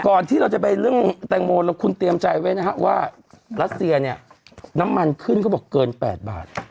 ที่เราจะไปเรื่องแตงโมแล้วคุณเตรียมใจไว้นะฮะว่ารัสเซียเนี่ยน้ำมันขึ้นเขาบอกเกิน๘บาท